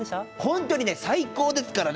本当に最高ですからね